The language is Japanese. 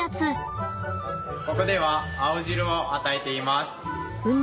ここでは青汁を与えています。